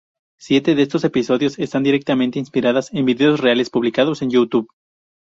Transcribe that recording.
Siete de estos episodios están directamente inspiradas en vídeos reales publicados en YouTube.